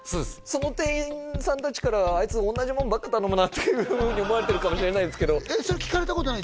その店員さん達からあいつっていうふうに思われてるかもしれないですけどそれ聞かれたことない？